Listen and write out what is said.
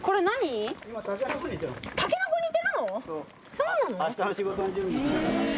そうなの？